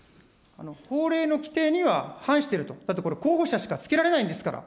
法令の規定には反していると、だってこれ、候補者しかつけられないんですから。